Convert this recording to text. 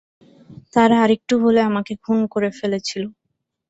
তারা আরেকটু হলে আমাকে খুন করে ফেলছিল!